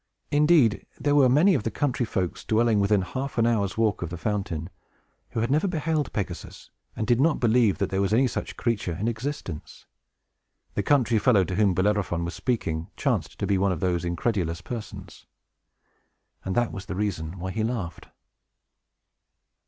Indeed, there were many of the country folks, dwelling within half an hour's walk of the fountain, who had never beheld Pegasus, and did not believe that there was any such creature in existence. The country fellow to whom Bellerophon was speaking chanced to be one of those incredulous persons. And that was the reason why he laughed.